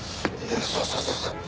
そうそうそうそう。